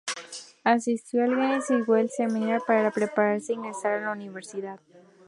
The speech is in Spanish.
Asistió al Genesee Wesley Seminary para prepararse e ingresar a la universidad.